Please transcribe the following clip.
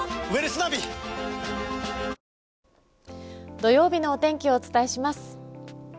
土曜日のお天気をお伝えします。